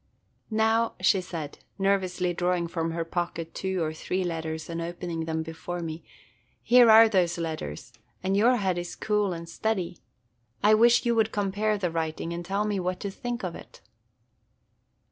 "Now," she said, nervously drawing from her pocket two or three letters and opening them before me, "here are those letters, and your head is cool and steady. I wish you would compare the writing, and tell me what to think of it."